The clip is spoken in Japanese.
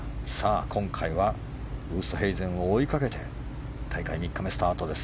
今回はウーストヘイゼンを追いかけて大会３日目、スタートです。